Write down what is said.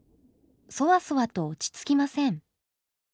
そわそわと落ち着きません。